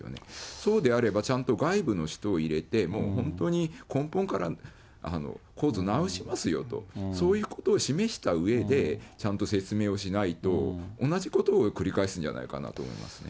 そうであれば、ちゃんと外部の人を入れて、もう本当に根本から構造を直しますよと、そういうことを示したうえで、ちゃんと説明をしないと、同じことを繰り返すんじゃないかなと思いますね。